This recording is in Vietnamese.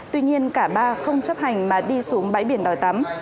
tuy nhiên cả ba không chấp hành mà đi xuống bãi biển đòi tắm